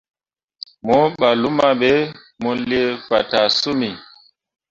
Mo ɓah luma ɓe, mu lii fataa summi.